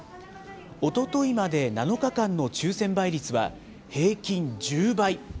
おとといまで７日間の抽せん倍率は、平均１０倍。